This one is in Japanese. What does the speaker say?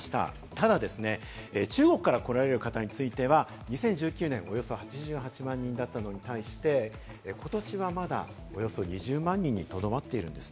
ただ、中国から来られる方については２０１９年およそ８８万人だったのに対して、ことしはまだおよそ２０万人にとどまっています。